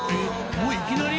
もういきなり？